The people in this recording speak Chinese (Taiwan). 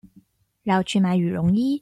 繞去買羽絨衣